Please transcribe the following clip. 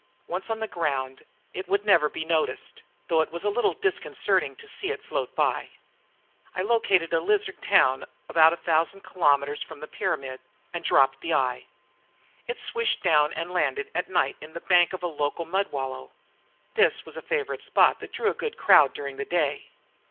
Once on the ground, it would never be noticed, though it was a little disconcerting to see it float by. I located a lizard town about a thousand kilometers from the pyramid and dropped the eye. It swished down and landed at night in the bank of the local mud wallow. This was a favorite spot that drew a good crowd during the day.